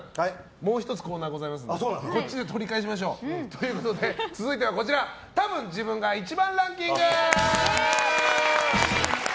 もう１つコーナーがございますのでこっちで取り返しましょう。ということで、続いてはたぶん自分が１番ランキング！